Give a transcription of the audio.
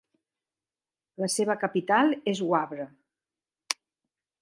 La seva capital és Wavre.